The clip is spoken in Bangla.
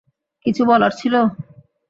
কিছু বলার ছিলো?